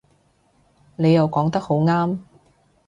你又講得好啱